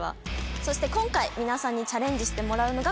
そして今回皆さんにチャレンジしてもらうのが